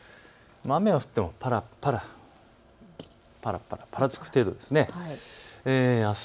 雨が降ってもぱらぱら、ぱらつく程度です。